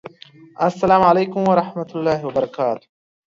السلام علیکم ورحمة الله وبرکاته